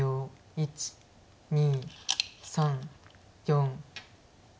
１２３４。